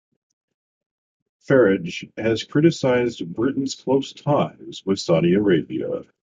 Farage has criticised Britain's close ties with Saudi Arabia.